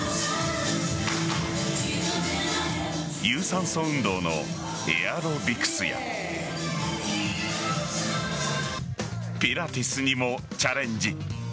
有酸素運動のエアロビクスやピラティスにもチャレンジ。